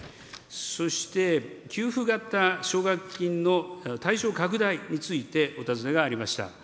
そして給付型奨学金の対象拡大について、お尋ねがありました。